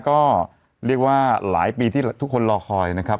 ก็เรียกว่าหลายปีที่ทุกคนรอคอยนะครับ